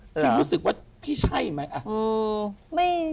พี่รู้สึกว่าพี่ใช่ไหม